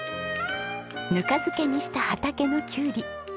ぬか漬けにした畑のキュウリ。